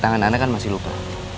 tangan anda kan masih lupa